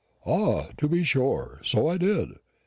"Ah, to be sure; so I did.